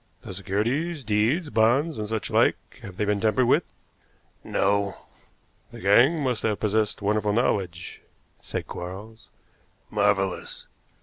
"The securities deeds, bonds, and such like have they been tampered with?" "No." "The gang must have possessed wonderful knowledge," said Quarles. "Marvelous."